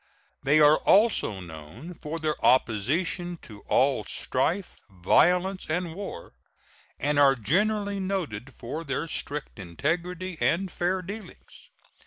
They are also known for their opposition to all strife, violence, and war, and are generally noted for their strict integrity and fair dealings.